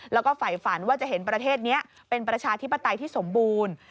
แล้วก็ฝ่ายฝันว่าจะเห็นประเทศนี้เป็นประชาธิปไตยที่สมบูรณ์